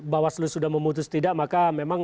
bawaslu sudah memutus tidak maka memang